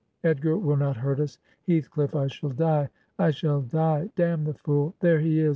Edgar will not hurt us. Heath cliff, I shall die! I shall die!' 'Damn the fool! There he is!'